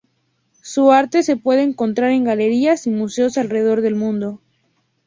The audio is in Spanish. Su arte se puede encontrar en Galerías y Museos alrededor del mundo.